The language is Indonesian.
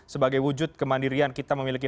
sebagai wujud kemandirian kita memiliki